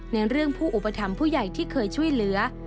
ในเรื่องผู้อุปถัมภ์ผู้ใหญ่ที่เคยช่วยเหลือ